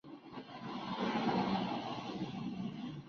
Más tarde une a la academia.